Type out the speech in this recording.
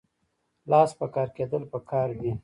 لاس په کار کیدل پکار دي